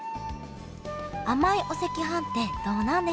甘いお赤飯ってどうなんでしょう？